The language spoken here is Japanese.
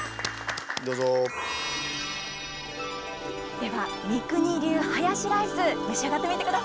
では三國流ハヤシライス召し上がってみてください。